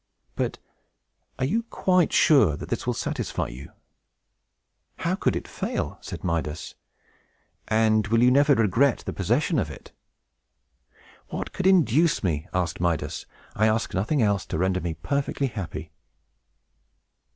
But are you quite sure that this will satisfy you?" "How could it fail?" said Midas. "And will you never regret the possession of it?" "What could induce me?" asked Midas. "I ask nothing else, to render me perfectly happy."